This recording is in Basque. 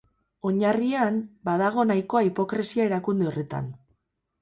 Oinarrian, badago nahikoa hipokresia erakunde horretan.